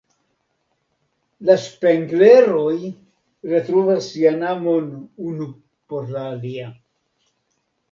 La Spengler-oj retrovas sian amon unu por la alia.